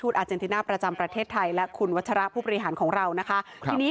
ต่อมาค่อยครับคุณชายครัพพี่